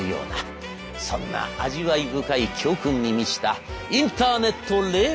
そんな味わい深い教訓に満ちたインターネットれい